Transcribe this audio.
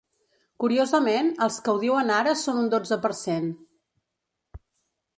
Curiosament, els que ho diuen ara són un dotze per cent.